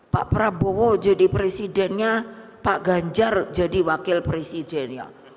pak prabowo jadi presidennya pak ganjar jadi wakil presidennya